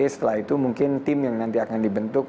setelah itu mungkin tim yang nanti akan dibentuk